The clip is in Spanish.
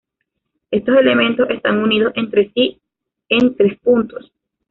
Estos elementos están unidos entre sí en tres puntos.